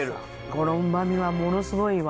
このうまみはものすごいわ。